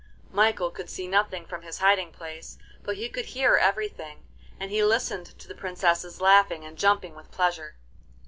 Michael could see nothing from his hiding place, but he could hear everything, and he listened to the princesses laughing and jumping with pleasure.